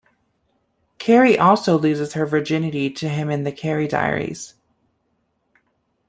Carrie also loses her virginity to him in "the Carrie diaries".